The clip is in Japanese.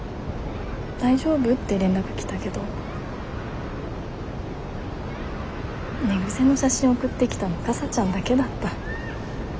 「大丈夫？」って連絡来たけど寝癖の写真送ってきたのかさちゃんだけだった。